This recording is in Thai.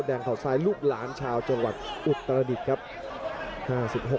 แดงข่าวซ้ายลูกหลานชาวจรวรรค์อุตรในประโด